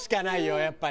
やっぱり。